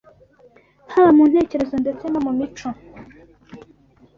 Haba mu ntekerezo ndetse no mu mico